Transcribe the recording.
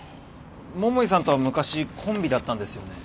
桃井さんとは昔コンビだったんですよね？